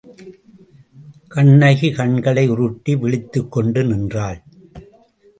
கண்ணகி கண்களை உருட்டி விழித்துக்கொண்டு நின்றாள்.